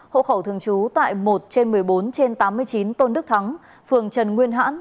hộ khẩu thường trú tại một trên một mươi bốn trên tám mươi chín tôn đức thắng phường trần nguyên hãn